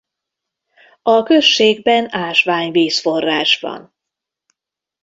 A községben ásványvízforrás van.